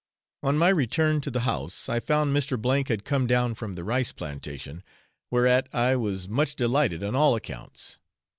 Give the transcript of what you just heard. On my return to the house, I found Mr. had come down from the rice plantation, whereat I was much delighted on all accounts.